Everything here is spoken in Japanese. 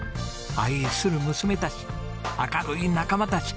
愛する娘たち明るい仲間たち。